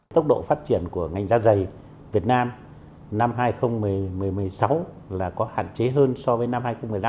tốc độ phát triển của ngành da dày việt nam năm hai nghìn một mươi sáu là có hạn chế hơn so với năm hai nghìn một mươi năm